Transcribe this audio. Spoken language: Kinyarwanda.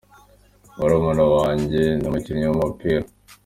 Murumuna wajye ni umukinnyi w'umupira.